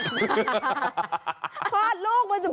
คลอดลูกมาจน